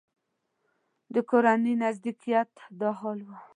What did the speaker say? د کورني نږدېکت دا حال و.